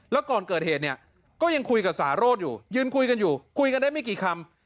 แล้วก่อนเกิดเหตุเนี่ยก็ยังคุยกับสาโรธอยู่ยืนคุยกันอยู่คุยกันได้ไม่กี่คำ